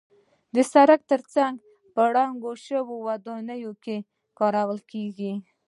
د سړک تر څنګ په ړنګو شویو ودانیو کې کارول کېږي.